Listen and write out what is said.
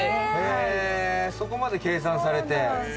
そこまで計算されて。